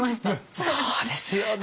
そうですよね。